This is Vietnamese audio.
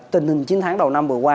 tình hình chín tháng đầu năm vừa qua